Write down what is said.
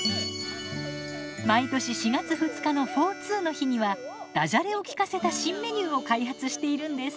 毎年４月２日のフォーツーの日にはダジャレをきかせた新メニューを開発しているんです。